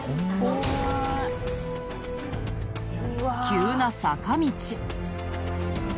急な坂道。